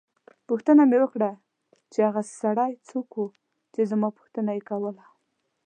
پوښتنه مې وکړه چې هغه سړی څوک وو چې زما پوښتنه یې کوله.